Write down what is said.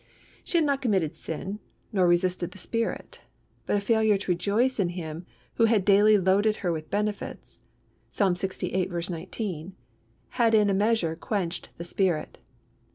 She had not committed sin, nor resisted the Spirit, but a failure to rejoice in Him who had daily loaded her with benefits (Psalm lxviii. 19) had in a measure quenched the Spirit.